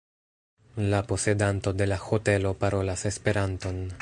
La posedanto de la hotelo parolas Esperanton.